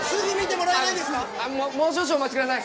もう少々お待ちください